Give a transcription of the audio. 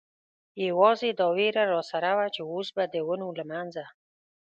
یوازې دا وېره را سره وه، چې اوس به د ونو له منځه.